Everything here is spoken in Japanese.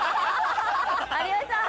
有吉さん